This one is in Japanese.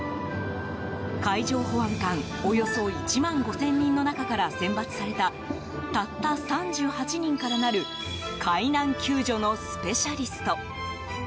海上保安官およそ１万５０００人の中から選抜されたたった３８人からなる海難救助のスペシャリスト。